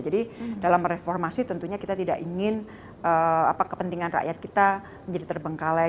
jadi dalam reformasi tentunya kita tidak ingin kepentingan rakyat kita menjadi terbengkalai